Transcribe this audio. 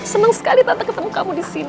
senang sekali tante ketemu kamu di sini